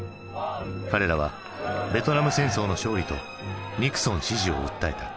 彼らはベトナム戦争の勝利とニクソン支持を訴えた。